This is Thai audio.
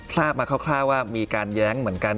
ทราบมาคร่าวว่ามีการแย้งเหมือนกัน